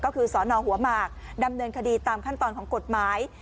ก็คือสนหัวหมากดำเนินคดีตามขั้นตอนของกฎหมาย